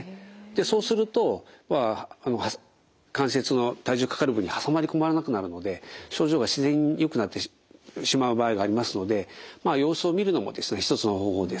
そうすると関節の体重がかかる部分に挟まり込まなくなるので症状が自然によくなってしまう場合がありますので様子を見るのもですね一つの方法です。